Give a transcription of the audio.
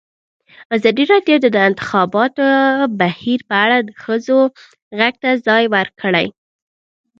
ازادي راډیو د د انتخاباتو بهیر په اړه د ښځو غږ ته ځای ورکړی.